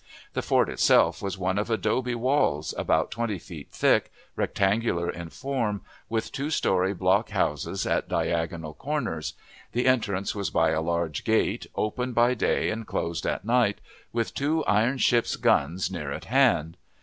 The fort itself was one of adobe walls, about twenty feet high, rectangular in form, with two story block houses at diagonal corners. The entrance was by a large gate, open by day and closed at night, with two iron ship's guns near at hand.